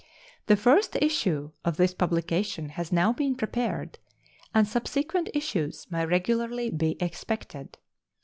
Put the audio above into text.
The first issue of this publication has now been prepared, and subsequent issues may regularly be expected.